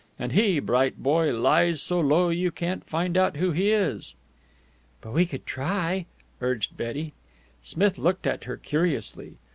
And he, bright boy, lies so low you can't find out who it is." "But we could try," urged Betty. Smith looked at her curiously.